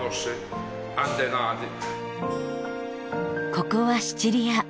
ここはシチリア。